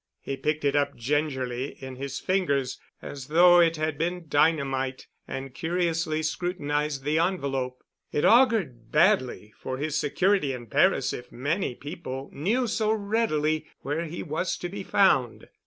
He picked it up gingerly in his fingers as though it had been dynamite and curiously scrutinized the envelope. It augured badly for his security in Paris if many people knew so readily where he was to be found.